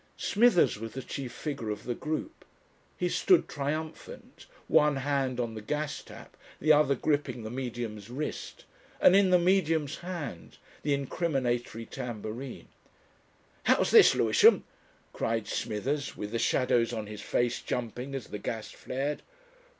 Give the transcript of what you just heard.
Smithers was the chief figure of the group; he stood triumphant, one hand on the gas tap, the other gripping the Medium's wrist, and in the Medium's hand the incriminatory tambourine. "How's this, Lewisham?" cried Smithers, with the shadows on his face jumping as the gas flared.